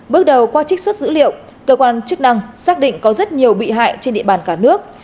bước đầu qua trích xuất dữ liệu cơ quan chức năng xác định có rất nhiều bị hại trên địa bàn cả nước